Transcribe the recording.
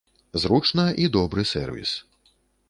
Зручна і добры сэрвіс.